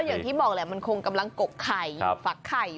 อย่างที่บอกเหลี่ยมันคงกำลังเกาะไข่ฟักไข่